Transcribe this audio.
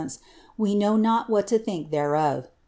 »f know not what lo think thereof.